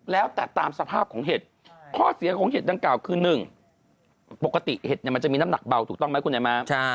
แล้วแต่ตามสภาพของเห็ดข้อเสียของเห็ดดังกล่าวคือ๑ปกติเห็ดมันจะมีน้ำหนักเบาถูกต้องไหมคุณไอ้ม้า